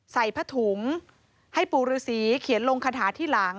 ใส่ผ้าถุงให้ปู่ฤษีเขียนลงคาถาที่หลัง